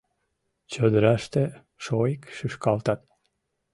Чодыраште шоик шӱшкалтат.